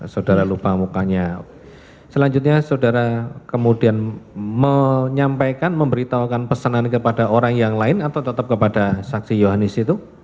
saudara lupa mukanya selanjutnya saudara kemudian menyampaikan memberitahukan pesanan kepada orang yang lain atau tetap kepada saksi yohanis itu